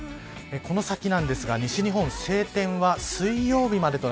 この先なんですが西日本晴天は水曜日までと